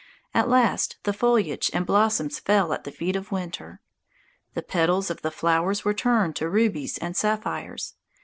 At last the foliage and blossoms fell at the feet of Winter. The petals of the flowers were turned to rubies and sapphires.